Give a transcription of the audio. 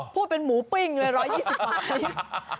พูดเป็นหมูปิ้งเลย๑๒๐บาท